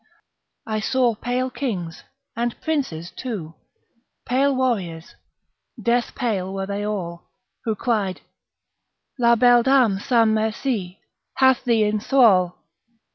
I saw pale kings, and princes too, Pale warriors, death pale were they all; Who cried "La belle Dame sans merci Hath thee in thrall!"